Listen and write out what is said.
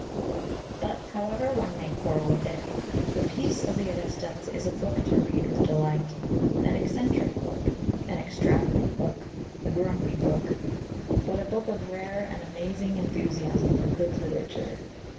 But, however one may quarrel with it, The Peace of the Augustans is a book to read with delight an eccentric book, an extravagant book, a grumpy book, but a book of rare and amazing enthusiasm for good literature.